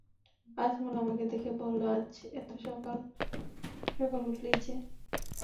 আজমল আমাকে দেখে বলল, আজ এত সকাল-সকল উঠলি যে?